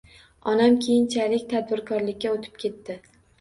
Onam keyinchalik tadbirkorlikka oʻtib ketdi.